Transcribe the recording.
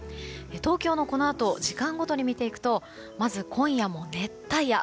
東京も、このあと時間ごとに見ていくと今夜も熱帯夜。